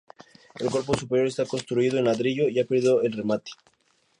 El cuerpo superior está construido en ladrillo y ha perdido el remate.